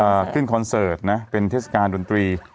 อ่าขึ้นโซนิส์คอนเซิร์ตนะเป็นเทศกาลดนตรี